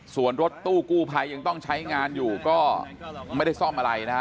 ส่วนรถตู้กู้ภัยยังต้องใช้งานอยู่ก็ไม่ได้ซ่อมอะไรนะฮะ